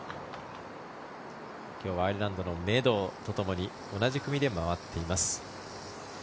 今日はアイルランドの選手とともに同じ組で回っています。